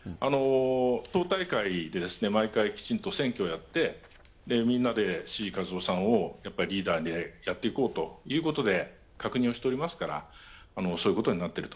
党大会で毎回きちんと選挙をやってみんなで志位和夫さんをリーダーでやっていこうと確認をしておりますから、そういうことになってると。